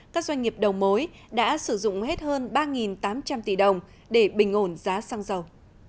các doanh nghiệp đầu mối đã sử dụng hết hơn ba tám trăm linh tỷ đồng để bình ổn giá xăng dầu